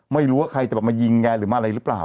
ไม่รู้ว่าใครจะมายิงแกหรือมาอะไรหรือเปล่า